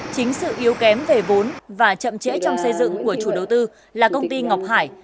chính sự yếu kém về vốn và chậm trễ trong xây dựng của chủ đầu tư là công ty ngọc hải